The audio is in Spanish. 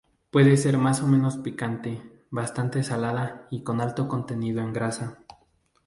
Puede ser más o menos picante, bastante salada y con alto contenido en grasa.